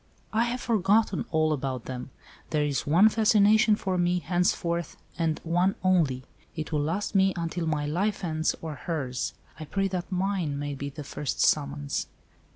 "I have forgotten all about them. There is one fascination for me, henceforth, and one only. It will last me until my life ends or hers. I pray that mine may be the first summons."